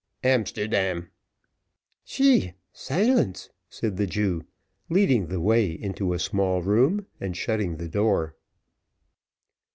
"Amsterdam." "Shee! silence," said the Jew, leading the way into a small room, and shutting the door.